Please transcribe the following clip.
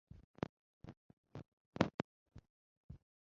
阿辉先生受陶之托将陶的诗稿和年轻时的相片交给建安。